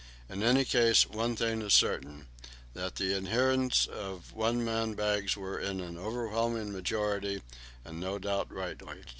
In any case, one thing is certain, that the adherents of one man bags were in an overwhelming majority, and no doubt rightly.